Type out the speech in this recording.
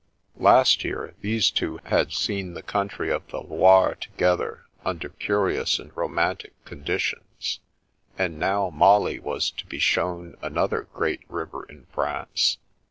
Last year, these two had seen the country of the Loire together, under curious and romantic condi tions, and now Molly was to be shown another great river in France.